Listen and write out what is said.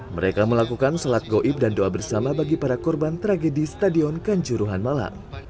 mereka melakukan sholat goib dan doa bersama bagi para korban tragedi stadion kanjuruhan malang